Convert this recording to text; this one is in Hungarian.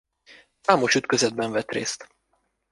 Számos ütközetben vett részt.